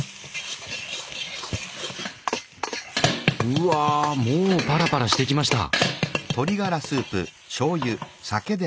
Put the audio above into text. うわもうパラパラしてきました！